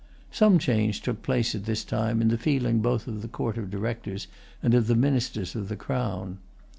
Some change took place at this time in the feeling both of the Court of Directors and of the Ministers of the Crown.